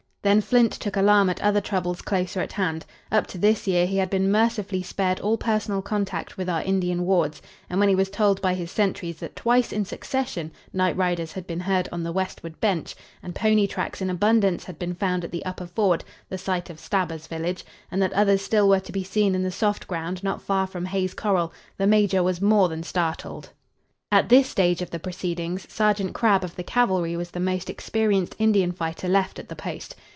Then Flint took alarm at other troubles closer at hand. Up to this year he had been mercifully spared all personal contact with our Indian wards, and when he was told by his sentries that twice in succession night riders had been heard on the westward "bench," and pony tracks in abundance had been found at the upper ford the site of Stabber's village and that others still were to be seen in the soft ground not far from Hay's corral, the major was more than startled. At this stage of the proceedings, Sergeant Crabb of the Cavalry was the most experienced Indian fighter left at the post.